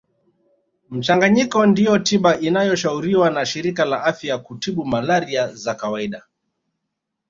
Mchanganyiko ndiyo tiba inayoshauriwa na shirika la afya kutiba malaria za kawaida